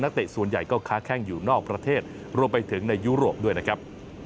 เตะส่วนใหญ่ก็ค้าแข้งอยู่นอกประเทศรวมไปถึงในยุโรปด้วยนะครับ